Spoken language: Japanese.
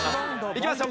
いきますよ。